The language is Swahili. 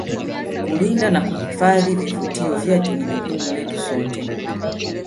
kulinda na kuhifadhi vivutio vyetu ni jukumu letu sote